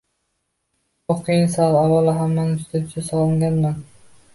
Bu qiyin savol. Avvalo, hammani juda juda sog‘inganman.